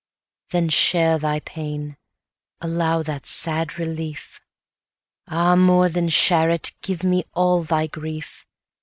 Then share thy pain, allow that sad relief; Ah, more than share it, give me all thy grief!